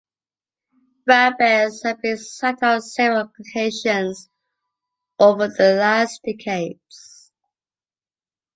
Brown bears have been sighted on several occasions over the last decades.